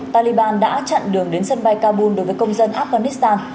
taliban đã chặn đường đến sân bay kabul đối với công dân afghanistan